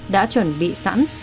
đã chuẩn bị sẵn